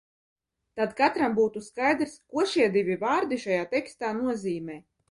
Tad katram būtu skaidrs, ko šie divi vārdi šajā tekstā nozīmē.